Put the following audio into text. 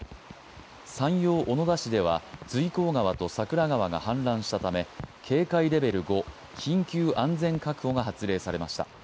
山陽小野田市では随光川と桜川が氾濫したため警戒レベル５、緊急安全確保が発令されました。